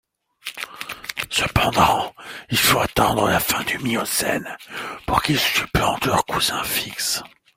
Cependant, il faut attendre la fin du Miocène pour qu'ils supplantent leurs cousins fixes.